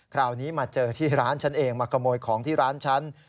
คราวนี้มาเจอที่ร้านฉันเองมาขโมยของที่ร้านฉัน